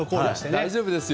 大丈夫ですよ。